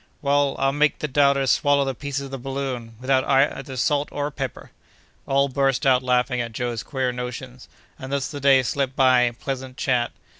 "Why, I'll make the doubters swallow the pieces of the balloon, without either salt or pepper!" All burst out laughing at Joe's queer notions, and thus the day slipped by in pleasant chat.